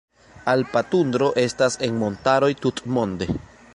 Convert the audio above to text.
Alpa tundro estas en montaroj tutmonde.